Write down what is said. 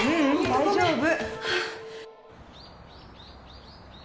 大丈夫。